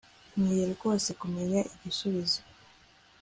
Nkwiye rwose kumenya igisubizo